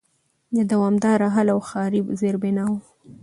د دوامدار حل او د ښاري زېربناوو